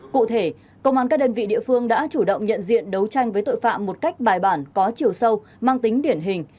cụ thể công an các đơn vị địa phương đã chủ động nhận diện đấu tranh với tội phạm một cách bài bản có chiều sâu mang tính điển hình